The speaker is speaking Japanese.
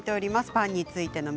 パンについてです。